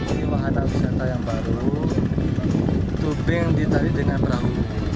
ini wahana wisata yang baru tubing ditarik dengan perahu